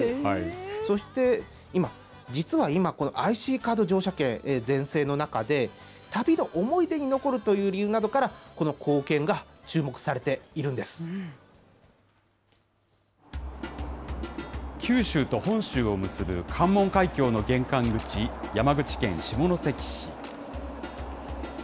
そして、今、実は今、ＩＣカード乗車券全盛の中で、旅の思い出に残るという理由などから、この硬九州と本州を結ぶ関門海峡の玄関口、山口県下関市。